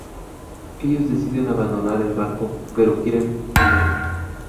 Ellos deciden abandonar el barco, pero quieren el oro.